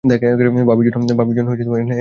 ভাবির জন্য এনেছো তাই না?